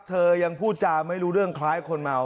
เธอยังพูดจาไม่รู้เรื่องคล้ายคนเมา